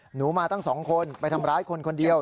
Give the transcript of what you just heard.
หนูมาตั้ง๒คนไปทำร้ายคนคนเดียว